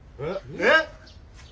えっ！